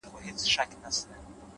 وخت د فرصتونو خاموشه ازموینوونکی دی،